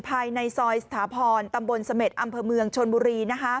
ภายในซอยสถาพรตำบลเสม็ดอำเภอเมืองชนบุรี